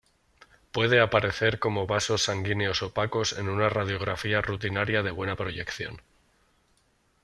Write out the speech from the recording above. Puede aparecer como vasos sanguíneos opacos en una radiografía rutinaria de buena proyección.